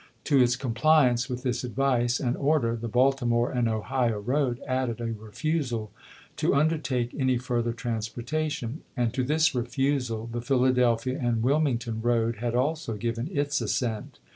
To its compliance with this ad\ice and order the Baltimore and Ohio road added a refusal to undertake any further transportation; and to this refusal the Philadelphia and Wilmington road had also given its assent.